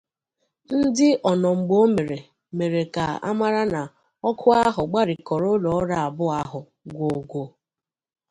Ndị ọnọmgbeomere mèrè ka a mara na ọkụ ahụ gbarikọrọ ụlọọrụ abụọ ahụ gwoogwoo